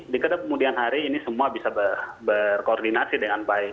di kemudian hari ini semua bisa berkoordinasi dengan baik